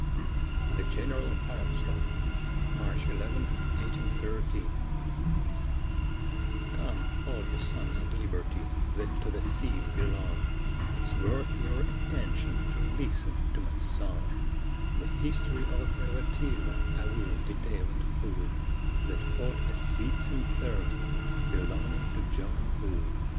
THE GENERAL ARMSTRONG [March 11, 1813] Come, all you sons of Liberty, that to the seas belong, It's worth your attention to listen to my song; The history of a privateer I will detail in full, That fought a "six and thirty" belonging to John Bull.